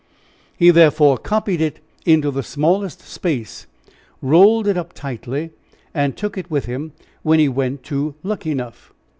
He therefore copied it into the smallest space, rolled it up tightly, and took it with him when he went to Luckenough.